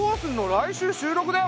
来週収録だよ。